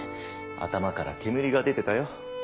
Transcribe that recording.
頭から煙が出てたよ